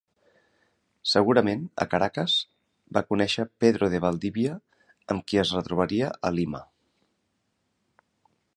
Segurament a Caracas, va conèixer Pedro de Valdivia amb qui es retrobaria a Lima.